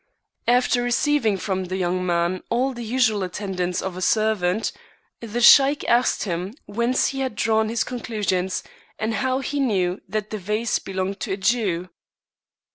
After receiving from the young man all the usual attentions of a servant, the Sheik asked him whence he had drawn his conclusions, and how he knew that the vase belonged to a Jew.